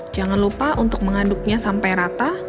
jangan lupa untuk mengaduknya sampai rata